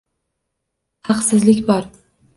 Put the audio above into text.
Haqsizlik bor